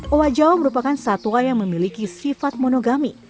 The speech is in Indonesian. owa jawa merupakan satwa yang memiliki sifat monogami